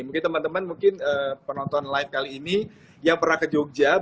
mungkin teman teman mungkin penonton live kali ini yang pernah ke jogja